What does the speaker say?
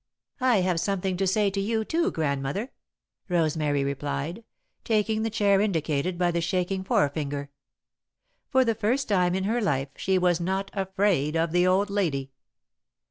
"I have something to say to you, too, Grandmother," Rosemary replied, taking the chair indicated by the shaking forefinger. For the first time in her life she was not afraid of the old lady.